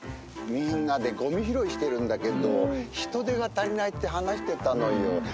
みんなでごみ拾いしてるんだけど人手が足りないって話してたのよ。